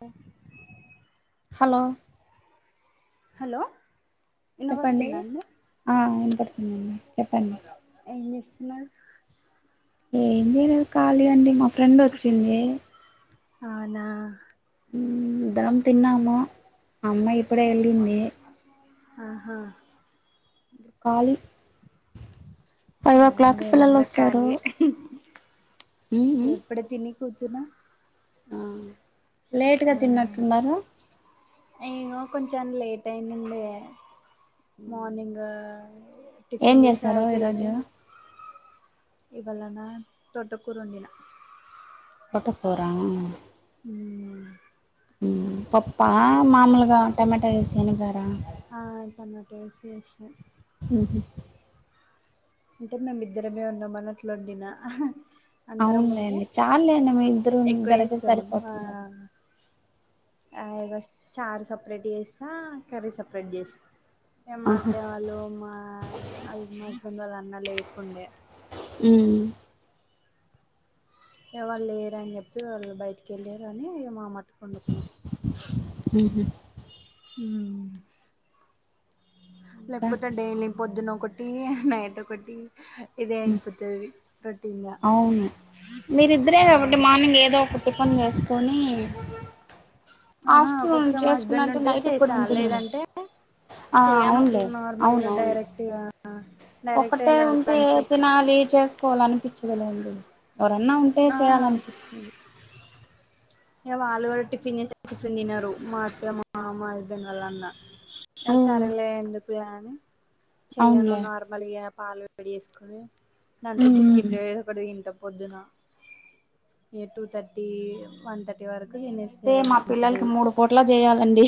అ hello hello చెప్పండి వినబడుతుందా అండి ఆ వినపడుతుందండి చెప్పండి ఏం చేస్తున్నారు ఏం లేదు కాలి అండి మా ఫ్రెండ్ వచ్చింది అవునా మ్ ఇద్దరం తిన్నాము అమ్మాయి ఇప్పుడే ఎళ్ళింది ఆహా ఖాళీ ఫైవ్ ఓ ఆ క్లాక్ నేను పిల్లలు కూడ ఖాళీయే మ్ మ్ ఇప్పుడే తిని కూర్చున్న ఆ లేట్గా తిన్నట్టున్నారు ఇంగో కొంచెం లేట్ అయిందండి మార్నింగా ఏం టిఫిన్ చేస్ చేశారు ఆక్లాలైతే ఈరోజు ఇవలనా తోటకూర వొండిన తోటకూర మ్ మ్ మ్ పప్పా మామూలుగా టమాటా ఎసి ఎనిపరా ఆ టమాటో చేసిన ఉహు అంటే మేమిద్దరమే ఉన్నాం అని అట్లొండిన అందరం ఉంటే అవునులేండి చాలులేండి మీ ఇద్దరు ఎక్కువ ఇద్దరికే వేసాము ఆ సరిపోతుంది కదా ఆ ఇగో చారు సెపరేట్ చేసా కర్రీ సపరేట్ జేసా ఇ మా ఆహా అత్తయ్య వాళ్ళు మా [inaudible] ఆల్లన్నా లేకుండే ఉమ్ ఎవరు లేరని చెప్పి వాళ్ళు బయటికి వెళ్ళారు అని మా మట్టుకి వండుకున్నాం ఉహు మ్ ఇంకా లేపోతే డైలీ పొద్దున ఒకటి నైట్ ఒకటి ఇదే అయిపోతది రొటీన్గా అవును ఏదోఒకట్ టిఫిన్ ఎసుకొని ఆహా ఆఫ్టర్నూన్ ఒక్కొక్కసారి మా హస్బెండ్ చేసుకున్నంటే ఉంటే నైట్ కూడా చేసా ఉంటుందని లేదంటే ఆ చెయ్యను అవునులే అవును నార్మల్గా అవును డైరెక్ట్గా డైరెక్ట్ ఒకటే ఇగ ఉ టే లంచ్ చేసుకు తినాలి చేసుకోవాల అనిపించదులేండి ఎవరన్నా ఉంటే ఆ చేయాలనిపిస్తుంది ఇగ వాళ్ళు కూడా టిఫిన్ చేసే టిఫిన్ తినరు మా అత్తయ మా మా హస్బెండ్ వాళ్ల అన్న ఎ ఉమ్ సరేలే ఎందుకులే అని చెయ్యను అవునులే నార్ మళ్ళీ ఆ పాలు వేడి చేసుకొని దాంట్లో ఉమ్ బిస్కెట్ వడు తింట పొద్దున ఏ టూ థర్టీ వన్ థ నేనైతే మా పిల్లలకి మూడు పూట్ల చేయాలండి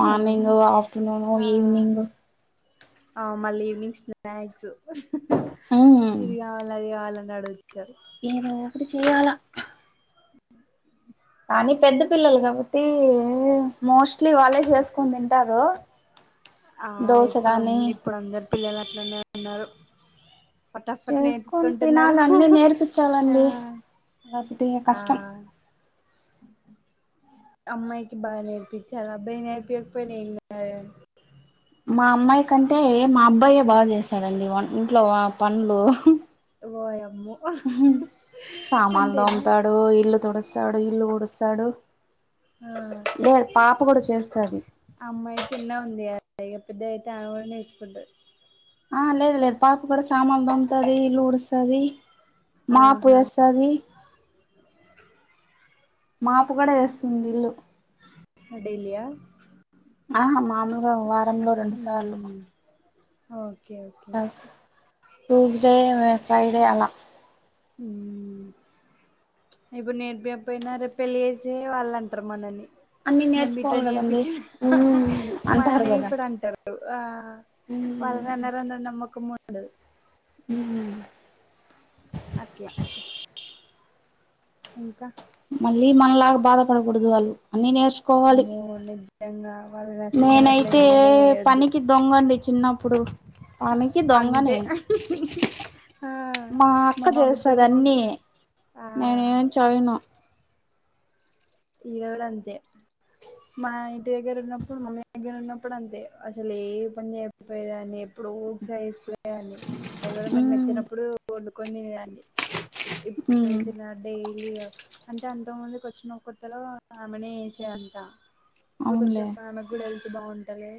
మార్నింగ్ ఆఫ్టర్నూను ఆ, ఈవినింగ్ ఆ మళ్ళీ ఈవినింగ్ స్నాక్స్ ఉమ్ ఇది కావాలి అది కావాలని అడుగు గాదు ఏదొ ఒకటి చేయాలా కానీ పెద్ద పిల్లలు కాబట్టి మోస్ట్లీ వాళ్ళే చేసుకోని తింటారు ఆ, దోశ ఇప్పుడు కానీ అన్- ఇప్పుడు అందరు పిల్లలు అట్లనే ఉన్నారు ఫటాఫట్ చేసుకొని నేర్చుకుంటున్నారు తినాలి అన్నీ ఆ నేర్పించాలండి లేపోతే ఆ కష్టం అమ్మాయికి బాగా నేర్పించాలి అబ్బాయి నేర్పింకపోయినా ఏం కాదండి మా అమ్మాయి కంటే మా అబ్బాయే బాగా చేస్తాడండీ వం ఇంట్లో పనులు ఓయమ్మో సామాన్లు అంతేనా దోముతాడు ఇల్లు తుడుస్తాడు ఇల్లు ఉడుస్తాడు ఆ లేదు పాప కూడా చేస్తది అమ్మాయి చిన్న గా ఉంది కదా పెద్దగా అయితే ఆమె కూడా నేర్చుకుంటాది ఆ లేదు లేదు పాప కూడా సామాన్ తొముతది ఇల్లు ఉడుస్తది మాపు ఆహా చెస్ చది మాపు కూడా చేస్తుంది ఇల్లు అడేలియా ఆ మామూలుగా వారంలో రెండు సార్లు ఓకే ఓకే ట్యూస్డే ఫ్రైడే అలా ఊ ఇప్పుడు నేర్పియకపోయినా రేపు పెళ్ళి చేస్తే వాళ్ళు అంటారు మనని అన్ని మీ అమ్మ ఇట్లా నేర్చుకోవాలి కదండి నేర్పించిందో అంటారు మననే కదా ఇప్పుడు అంటారు ఆ వాళ్ళని అనర అని నమ్మకం ఉండదు మ్ అట్లా ఇంకా మళ్ళీ మనలాగా బాధపడకూడదు వాళ్ళు అన్నీ నేర్చు వామ్మో నిజంగా వాళ్ళనీ అస్సలు అట్లా ఏయ్యానే ఏయద్దు దొంగ అండి చిన్నప్పుడు పనికి దొంగ అంతే నేను ఆ మా అక్క చేస్తది మమ్మీతోని అన్ని ఉన్నప్పుడు ఆ నేను ఏం చేయను ఈడ కూడా అంతే మా ఇంటి దగ్గర ఉన్నప్పుడు మమ్మీ దగ్గర ఉన్నప్పుడు అంతే అసలు ఏ పని చేయక పోయేదాన్ని ఏప్పుడొ ఒకసారి [unintelligible] దాన్ని ఎవరైనా ఉమ్ వచ్చినప్పుడు వండుకొని తినేదాన్ని ఉమ్ ఇప్పుడైతే నాకు డైలీ అంటే అంత ముందుకు వచ్చిన కొత్తలో ఆమెనే చేసేది అంతా ఇప్పుడు కొంచెం అవునులే ఆమెకు కూడా హెల్త్ బాగుంటలే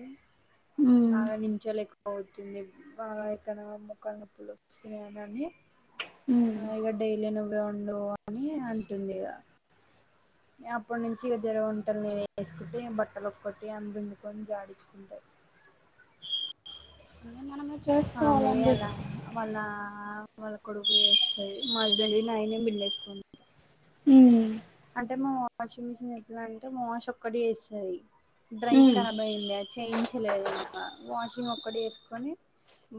ఉమ్ బాగా నిల్చలేక పోతుంది ఆ ఇక్కడ మోకాలి నొప్పులు వచ్చినాయి అని ఉమ్ ఆ ఇగ డైలీ నువ్వే వండు అని అంటుంది ఇగా అప్పటినుంచి ఇగ జర వంటలు నేను చేసుకుంటే బట్టలు ఒక్కటి ఆమె పిండుకొని జాడి అంతే అన్నీ మనమే ఆమేవి చేసుకోవాలండి వాళ్ళ ఆయన వాళ్ళ వాళ్ళ కొడుకులు వేస్తది మా హస్బెండ్ నేనే పిండేసుకుంట ఉ అంటే మా వాషింగ్ మిషిన్ ఎట్లా అంటే మా వాష్ ఒక్కటి చేస్తాది డ్రై ఉమ్ ఖరాబ్ అయిందా చేయించలేదు ఇంగ వాషింగ్ ఒక్కటి చేసుకొని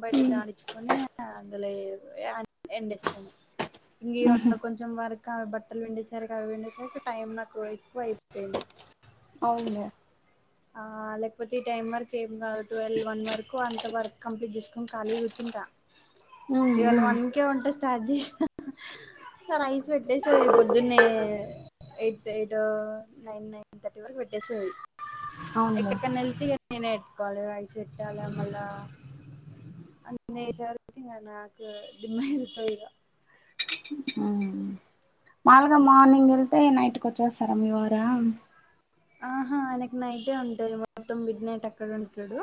బయట ఉమ్ జాడించుకొని అందులో ఎండేస్తాం ఇవాళ ఉహు కొంచెం కొంచెం వరకు అవి బట్టలు పిండేసరికి అవి పిండేసరికి టైం నాకు ఎక్కువ అయిపోయింది అవును ఆ లేకపోతే ఈ టైము వరకు [unintelligible] ట్వెల్వ్ వన్ వరకు అంత వర్క్ కంప్లీట్ చేసుకొని ఖాళీగా కూర్చుంటా ఉమ్ ఇవాళ ఉమ్ వన్ కే వంట స్టార్ట్ చెసిన [unintelligible] పొద్దున్నే ఎయిట్ ఎయిటొ నైన్ నైన్ తర్టీ వరకు బెట్టెస్తది అవునులే ఎక్కడికన్నా వెళ్తే నేనే ఎట్టుకోవాలి రాైస్ పెట్టుకొవాల మళ్ళ అన్నయ్యె సరికి నాకు దిమ్మా తిరుగుతది ఇగ మాలుగా మార్నింగ్ వెళ్తే నైట్ కి వచ్చేస్తారా మీ వార ఆహ ఆయనకు నైటే ఉంటుంది మొత్తం మిడ్ నైట్ అక్కడ ఉంటడు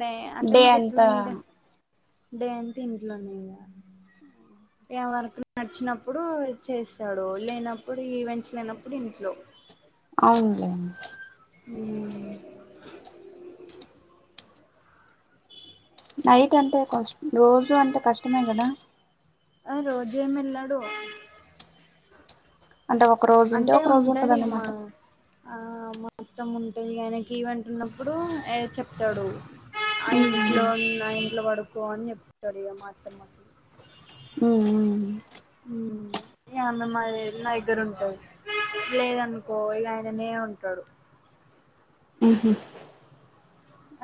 డే అంటే డే మాకు ఎట్లా అంతా అంటె డే అంత ఇంట్లోనె ఇగ ట్ ఏవర్కు నచ్చినప్పుడు చేస్తాడు లేనప్పుడు ఈ ఈవెంట్స్ లేనప్పుడు ఇంట్లో అవునులే ఉమ్ నైట్ అంటే కొంచం రోజు అంటే కష్టమే కదా ఆ రోజు ఎమ్ ఎళ్ళడు అంటే ఒక రోజు ఉంటే అంటే ఒక రోజు ఉంటది మా ఉంటదన్నమాట ఆ మొత్తం ఉంటది కాని ఆయనకి ఈవెంట్ ఉన్నప్పుడు ఎ చెప్తాడు ఆ ఉహు ఇంట్లో ఆ ఇంట్లో పడుకో అని చెప్తాడు మా అత్తమ్మ ఉమ్ ఉమ్ హు ఆమె మాది నా దగ్గర ఉంటుది లేదనుకో ఇగ ఆయననే ఉంటాడు ఉహు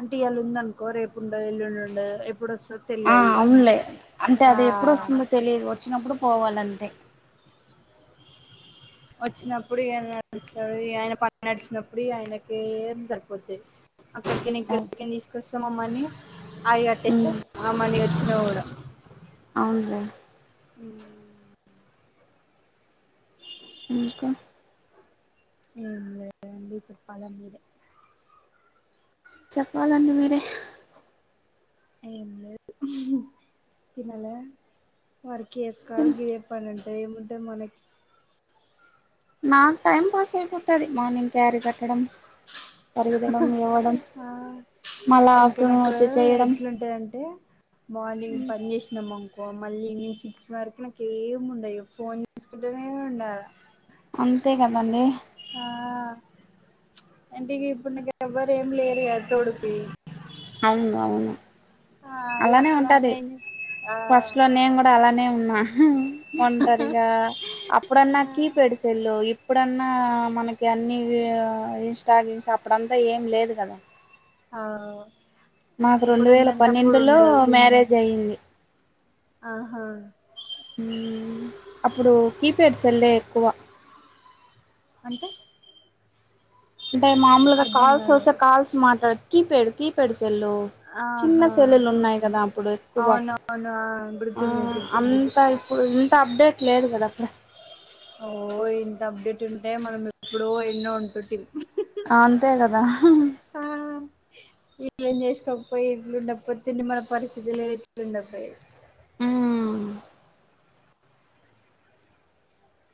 అంటే ఇయాళ ఉందనుకో రేపు ఉండదు ఎల్లుండు ఉండదు ఎప్పుడు వస్తంది ఆ అవునులే అంటే అది ఎప్పుడు వస్తుందో తెలియదు వచ్చినప్పుడు పోవాలి అంతె వచ్చినప్పుడు నడుస్తాడు. ఆయన పక్క నడిచినప్పుడు ఆయనకే సరిపోతుది అక్కడికని ఇక్కడికని తీసుకొస్తామమ్మని ఆవి కట్టేస్త ఉమ్ ఆ మని వచ్చిన కూడా అవున్ లె ఉ ఇంక ఇం గదా అండి తుప్పాల మీదె చెప్పాలండి మీరే ఏం లేదు తినలె వర్క్ చేసుకోవాలె గిదే పని ఉంటే ఏముంటాయి మనకి నాక్ టైమ్ పాస్ అయిపోతది మార్నింగ్ క్యారీ కట్టడం పరిగెత్తడం లేవడం ఆ మళ్ళా ఇంక ఆఫ్టర్నూన్ నాకు వచ్చి చేయడం ఎట్ల ఉంటదంటే మార్నింగ్ పని చేసినాము మళ్ళీ నేను సిక్స్ వరకు నాకేం ఏమి ఉండదు ఫోన్ తీసుకుంటనే ఉండాల అంతే కదా అండి ఆ అంటే ఇ ఇప్పుడు నీకు ఎవ్వరు ఏం లేరు కదా తొడుకి అవునవును ఆ ఇగ అలానే ఉంటది అట్లానే ఆ ఫస్ట్ లో నేను కూడా ఇప్పుడు అలానే ఉన్నా ఒంటరిగా అప్పుడన్నా కీ పెడిసేల్ళు ఇప్పుడన్నా మనకి అన్నిీ ఇన్స్టాగస్ అప్పుడంతా ఏం లేదు కదా ఆ మాకు రెండు ఇప్పుడు వేల ఉన్నంత అప్పుడు పన్నెండులో ఉండదు మ్యారేజ్ అయ్యిింది ఆహా అప్పుడు కీప్యాడ్స్ సెల్లె ఎక్కువ అంటే అంటే మామూలుగా అర్ధం కాల్స్ కాలే వస్తే కాల్స్ మాట్లాడ్ కీప్యాడ్ కీప్యాడ్ సెల్లు చిన్న ఆహా సెల్లులు ఉన్నాయి కదా అప్పుడు ఎక్కువ అవునవును ఆ ఆ గుర్తుంది గుర్తుంది అంతా ఇప్పుడు ఇంత అప్డేట్ లేదు కదా అక్కడ ఓ ఇంత అప్డేట్ ఉంటే మనం ఎప్పుడో ఎన్నో ఉంటుంటిమి అంతే కదా ఆ ఏం చేస్తావ్ పోయి ఇల్లు ఉండకపోతే నే మన పరిస్థితులు ఇట్లు ఉండకపోయే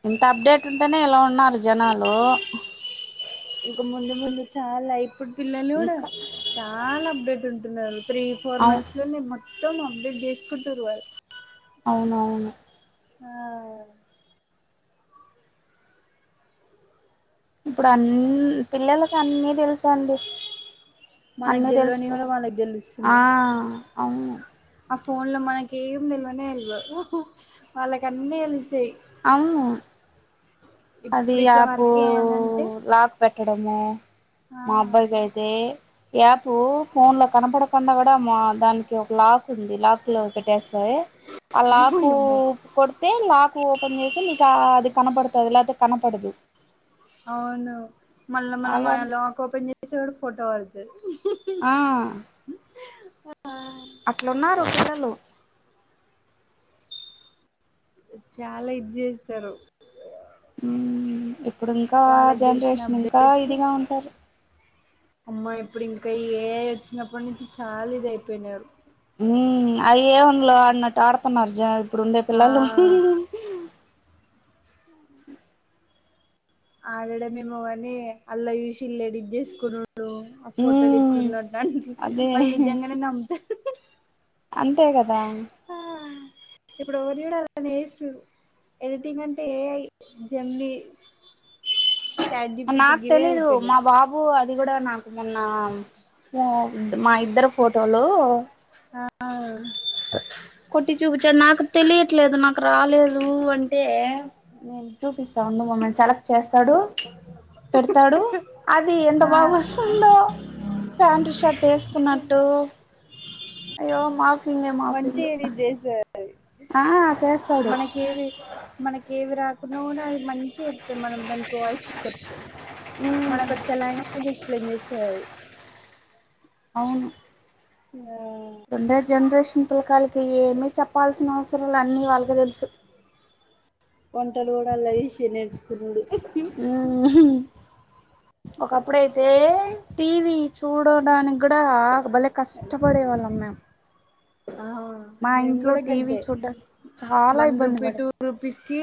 ఇంత అప్డేట్ ఉంటేనే ఇలా ఉన్నారు జనాలు ఇంక ముందు ముందు చాలా ఇప్పుడు పిల్లలు కూడా ఇంకా చాలా అప్డేట్ ఉంటున్నారు త్రీ, ఫోర్ అవు మంత్స్ లోనే మొత్తం అప్డేట్ చేసుకుంటురూ వాళ్. అవునవును ఆ ఇప్పుడు అన్ పిల్లలకు అన్ని తెలుసు అండి మనకు అన్నీ తెలివని కూడా తెలిసిపోతాయి వాళ్ళకి ఆ తెలుస్తున్నాయి అవును ఆ ఫోన్ లో మనకి ఏం తెల్వనే తెల్వ వాళ్ళకన్నీ తెలుస్తయి. ఆ అది ఇప్పుడు ఇట్లా ఆపు వరకే అనంటే లా పెట్టడమో ఆ మా అబ్బాయి కయితే యాప్ ఫోన్ లో కనపడ కుండా కూడా మా దానికి ఒక లా క్ ఉంది లాక్ లో పెట్టేస్తయి ఆ లాకు ఓయమ్మో కొడితే లాకు ఓపెన్ చేస్తే నీకు అది కనపడుతది లేకపోతే కనపడదు అవును మళ్ళా మనం ఆ అలాంటి లాక్ ఓపెన్ చేస్తే కూడా ఫోటో పడుతది ఆ ఆ అట్లున్నారు పిల్లలు చాలా ఇది చేస్తారు ఇప్పుడు ఇంకా వాళ్ళకి తెలిసిన జనరేషన్ ఇంకా అప్డేట్స్ ఇదిగా ఉంటారు అమ్మా ఇప్పుడు ఇంకా ఏఐ వచ్చినప్పటి నుంచి చాలా ఇది అయిపోయినారు. హు ఆ ఏ వన్లో ఆన్నట్టు ఆడుతున్నారు జ ఇప్పుడు ఉండే ఆ! పిల్లలు ఆడడమేమో గానీ అల్లో గాని చూసి వీళ్లు ఎడిట్ చేసుకునుడు ఆ ఫోటోలు మ్మ్ ఇట్లున్నట్టు అన్ అదే వాళ్ళు నిజంగానే నమ్ముత అంతే కదా ఆ ఇప్పుడు ఎవరు చూడాలి అని ఏసు ఎడిటింగ్ అంటే ఏఐ జెమిని చాట్ జీపీటీ నాకు గివే తెలీదు అయిపోయినాయి. మా బా బు అది కూడా నాకు మొన్న మా ఇద్దరు ఫోటోలు ఆ హా కొట్టి చూపించాడు నాకు తెలియట్లేదు నాకు రాలేదు అంటే నేను చూపిస్తా ఉండు మమ్మీ అని సెలెక్ చేస్తాడు పెడతాడు అది ఎంత ఆ! బాగా వస్తుందో ప్యాంట్ షర్ట్ వేసుకున్నట్టు అయ్యో మాఫింగే మాఫింగ్ విజే సార్ అది ఆ చేస్తాడు ఏవి మనకి ఏవి రాకున్నా కూడా అది మంచిగా చెప్తా మనం దానికి వాయిస్ చెప్తే మనకు వచ్చే లాంగ్వేజ్ ఎక్స్ప్లెయిన్ చేసది అవును యా ఉండే జనరేషన్ పిల్లకాయిలికి ఏమి చెప్పాల్సిన అవసరం లే అన్నీ వాళ్ళకి తెలుసు. వంటలు కూడా అలావిసి నేర్చుకున్నాడు. ఉహు ఒకప్పుడైతే టీవీ చూడడానికి కూడా బలె కష్టపడే వాళ్ళం మేమ్ ఆ మేము కూడా టీవీ గంతే చూడ్డానికి చాలా వన్ ఇబ్బంది రూపీ పడే టు రూపీస్ కి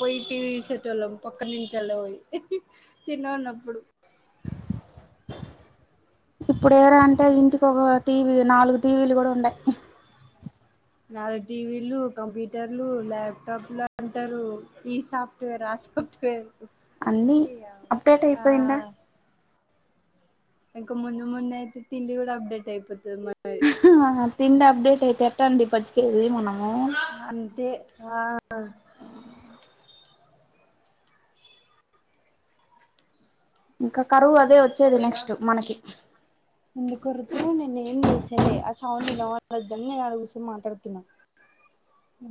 పోయి టీవీ చూసేటోళ్ళం ఒక్క నుంచిలా పోయి చిన్నగాన్నప్పుడు ఇప్పుడు ఎరా అంటే ఇంటికి ఒక టీవీ నాలుగు టీవీలు కూడా ఉన్నాయి. నాలుగు టీవీలు, కంప్యూటర్లు, ల్యాప్టాప్ లు అంటారు ఈ సాఫ్ట్వేర్ రాసు వేరు అన్నీ అప్డేట్ అయిపోయింద ఇంక ముందు ముందు అయితే తిండి కూడా అప్డేట్ అయిపోతుంది మనది. హా తిండి అప్డేట్ అయితే ఎట్టండి బతికేది మనము అంతే ఆ ఇంక కరువు అదే వచ్చేది నెక్స్ట్ మనకి ఇందు కొరతును నేనే ఏం చేసేలె ఆ సౌండ్ నినువద్దని నేను అడ కూసం మాట్లాడుతున్నాను. ఉ